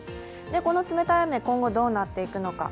この冷たい雨、今後どうなっていくのか。